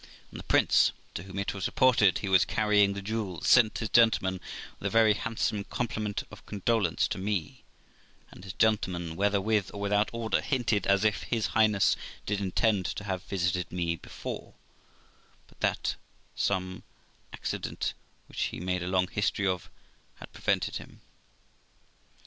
And the Prince of , to whom it was reported he was carrying the jewels, sent his gentleman with a very handsome compliment of condolence to me; and his gentleman, whether with or without order, hinted as if his Highness did intend to have visited me himself, but that some accident, which he made a long story of, had prevented him.